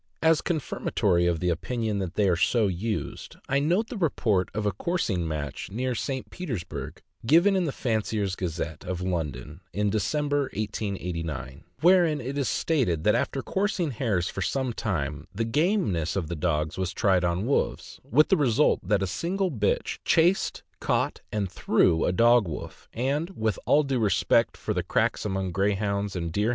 As confirmatory of the opinion that they are so used, I note the report of a cours ing match near St. Petersburg, given in the Fancier's Gazette, of London, in December, 1889, wherein it is stated that after coursing hares for some time, the gameness of the dogs was tried on wolves, with the result that a single bitch chased, caught, and threw a dog wolf; and, with all due respect for the cracks among Greyhounds and Deer 264 THE AMERICAN BOOK OF THE DOG.